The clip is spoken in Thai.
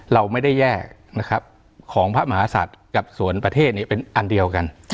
เราไม่ได้แยกนะครับของพระมหาศัตริย์กับส่วนประเทศเป็นอันเดียวกัน